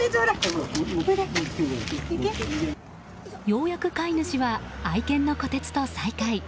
ようやく飼い主は愛犬のこてつと再会。